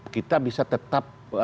kita bisa tetap